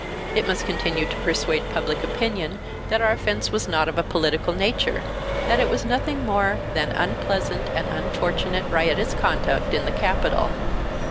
It must continue to persuade public opinion that our offense was not of a political nature; that it was nothing more than unpleasant and unfortunate riotous conduct in the capital.